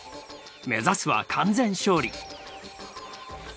目指すは「完全勝利！」。